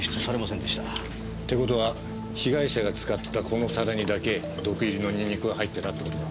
って事は被害者が使ったこの皿にだけ毒入りのニンニクが入ってたって事か？